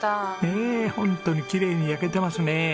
ええホントにきれいに焼けてますね。